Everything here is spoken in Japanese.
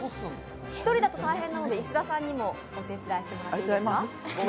一人だと大変なので石田さんにもお手伝いしてもらいます。